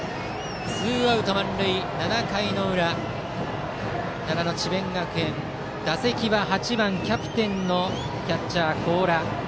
ツーアウト満塁７回の裏、奈良の智弁学園打席は８番キャプテンのキャッチャー高良。